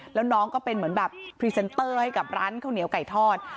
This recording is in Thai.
แล้วน้องก็เป็นเหมือนแบบพรีเซนเตอร์ให้กับร้านข้าวเหนียวไก่ทอด